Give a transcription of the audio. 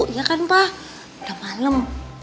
iya kan pa udah malem